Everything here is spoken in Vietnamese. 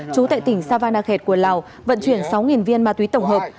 trú tại tỉnh savanakhet của lào vận chuyển sáu viên ma túy tổng hợp